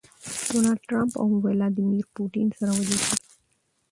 ډونالډ ټرمپ او ويلاديمير پوتين سره وليدل.